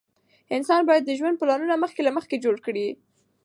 انسان باید د ژوند پلانونه مخکې له مخکې جوړ کړي.